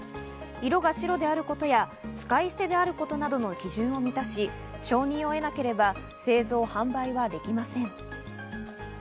色が白であることや使い捨てであることなどの基準を満たし、承認を得なければ製造・販売はできません。